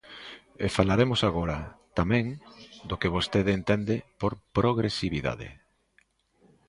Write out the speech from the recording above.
E falaremos agora, tamén, do que vostede entende por progresividade.